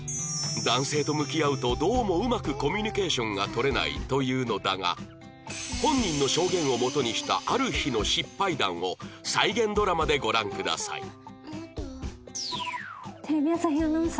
男性と向き合うとどうもうまくコミュニケーションが取れないというのだが本人の証言をもとにしたある日の失敗談を再現ドラマでご覧ください